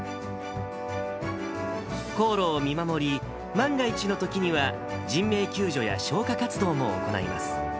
航路を見守り、万が一のときには人命救助や消火活動も行います。